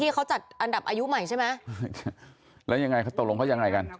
เขาจัดอันดับอายุใหม่ใช่ไหมแล้วยังไงเขาตกลงเขายังไงกัน